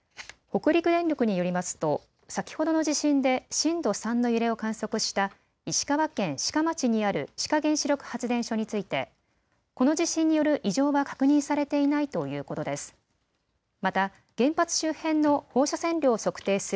北陸電力によりますと先ほどの地震で震度３の揺れを観測した石川県志賀町にある志賀原子力発電所についてこの地震による異常は確認されていないということです。